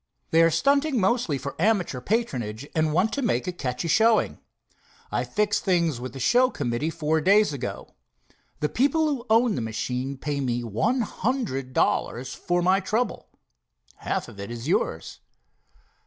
They are stunting mostly for amateur patronage, and want to make a catchy showing. I fixed things with the show committee four days ago. The people who own the machine pay me one hundred dollars for my trouble. Half of it is yours."